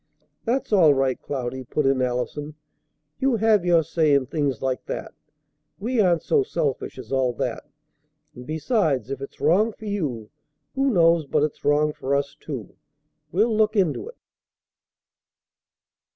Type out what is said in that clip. "That's all right, Cloudy," put in Allison. "You have your say in things like that. We aren't so selfish as all that. And besides, if it's wrong for you, who knows but it's wrong for us, too? We'll look into it."